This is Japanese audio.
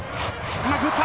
うまく打った！